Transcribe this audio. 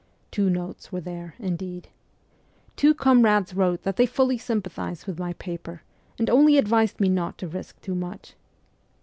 Two notes were there, indeed. Two comrades wrote that they fully sympathized with my paper, and only advised me not to risk too much.